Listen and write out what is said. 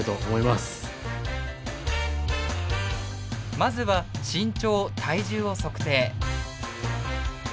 まずは身長体重を測定。